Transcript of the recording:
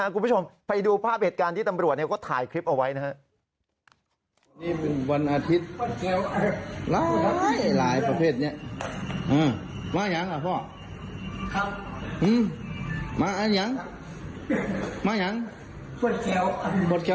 คุณผู้ชมไปดูภาพเหตุการณ์ที่ตำรวจก็ถ่ายคลิปเอาไว้นะครับ